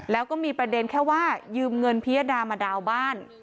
แล้วก็มีประเด็นแค่ว่ายืมเงินพิยดามาดาวน์บ้าน